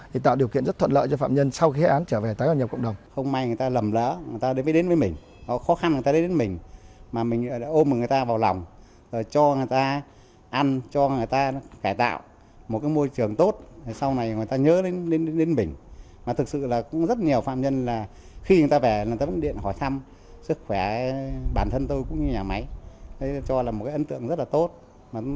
thì tạo điều kiện rất thuận lợi cho phạm nhân sau khi hết án trở về tái hoạt nhập cộng đồng